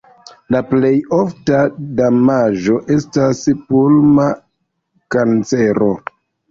La plej ofta damaĝo estas pulma kancero.